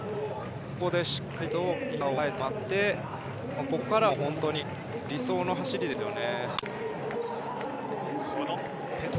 ここでしっかりとイン側を押さえて回ってここからは本当に理想の走りですよね。